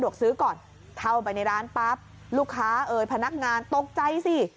กซื้อก่อนเข้าไปในร้านปั๊บลูกค้าเอ่ยพนักงานตกใจสิ